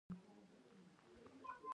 نړیوال بانک دا هېوادونه په دوه برخو ویشي.